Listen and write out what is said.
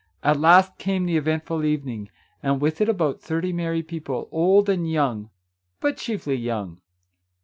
At last came the eventful evening, and with it about thirty merry people, old and young, but chiefly young.